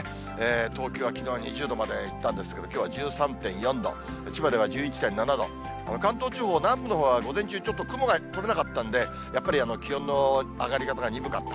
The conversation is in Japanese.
東京はきのう２０度までいったんですけど、きょうは１３．４度、千葉では１１．７度、関東地方南部のほうは午前中、ちょっと雲が取れなかったんで、やっぱり気温の上がり方が鈍かった。